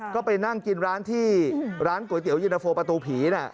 ก็ไปนั่งกินร้านที่ร้านก๋วยเตี๋ยวเย็นโลโฟปาตูผี